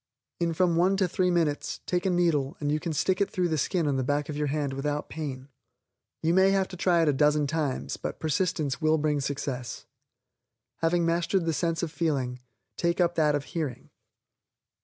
In from one to three minutes, take a needle, and you can stick it through the skin on the back of the hand without pain. You may have to try it a dozen times, but persistence will bring success. Having mastered the sense of feeling, take up that of hearing.